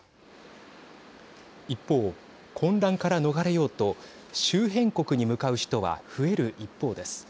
一方、混乱から逃れようと周辺国に向かう人は増える一方です。